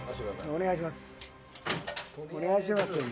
お願いしますよ。